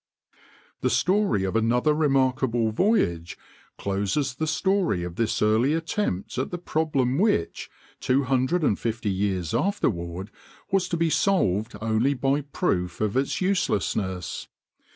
The story of another remarkable voyage closes the story of this early attempt at the problem which, two hundred and fifty years afterward, was to be solved only by proof of its uselessness.